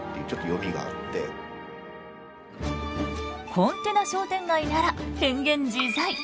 コンテナ商店街なら変幻自在。